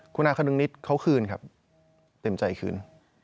คุณอาคนึงนิดเขาคืนครับเต็มใจคืน